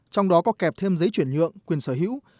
trong đó có kèm thêm giấy chuyển nhượng quyền sở hữu